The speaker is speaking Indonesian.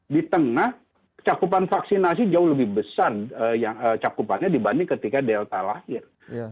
di tengah cakupan vaksinasi jauh lebih besar cakupannya dibanding ketika delta lahir